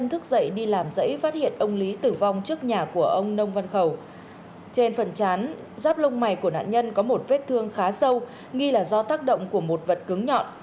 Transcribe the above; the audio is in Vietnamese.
trên phần chán giáp lông mày của nạn nhân có một vết thương khá sâu nghi là do tác động của một vật cứng nhọn